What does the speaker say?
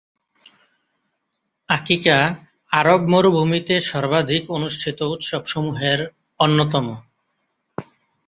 আকিকা আরব মরুভূমিতে সর্বাধিক অনুষ্ঠিত উৎসবসমূহের অন্যতম।